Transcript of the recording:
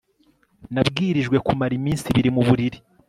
Nabwirijwe kumara iminsi ibiri muburiri